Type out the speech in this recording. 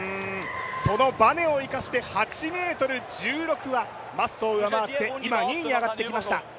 そのバネを生かして８ｍ１６はマッソを上回って今２位に上がってきました。